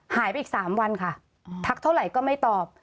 หายไปอีก๓วันค่ะทักเท่าไหร่ก็ไม่ตอบ